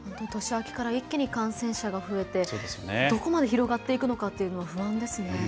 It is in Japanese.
年明けから一気に感染者が増えてどこまで広がっていくのかというのは不安ですね。